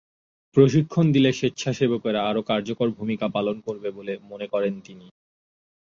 প্রশিক্ষণ দিলে স্বেচ্ছাসেবকেরা আরও কার্যকর ভূমিকা পালন করবে বলে মনে করেন তিনি।